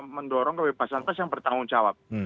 mendorong kebebasan pers yang bertanggung jawab